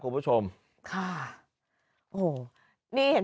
มีพฤติกรรมเสพเมถุนกัน